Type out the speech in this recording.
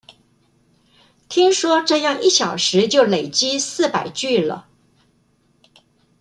聽說這樣一小時就累積四百句了